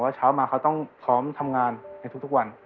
เช้ามาเขาต้องพร้อมทำงานในทุกวัน